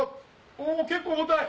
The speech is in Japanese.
お結構重たい！